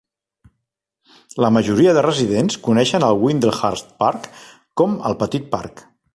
La majoria de residents coneixen el Windlehurst Park com el "petit parc".